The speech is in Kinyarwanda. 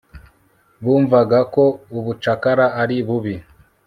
Bumvaga ko ubucakara ari bubi